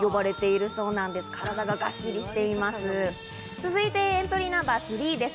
続いてはエントリーナンバー２です。